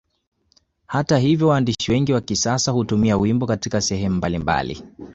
Hata hivyo waandishi wengi wa kisasa hutumia wimbo Katika sehemu mbalimbali